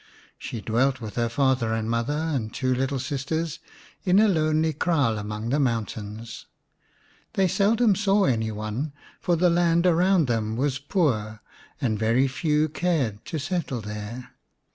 She dwelt with her father and mother and two little sisters in a lonely kraal among the mountains. They seldom saw any one, for the land around them was poor and very few cared to settle there.